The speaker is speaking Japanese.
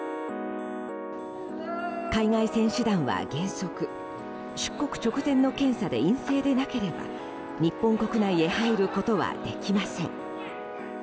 海外選手団は原則出国直前の検査で陰性でなければ日本国内へ入ることはできません。